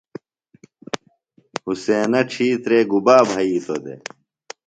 حُسینہ ڇِھیترے گُبا بھئِیتوۡ دےۡ؟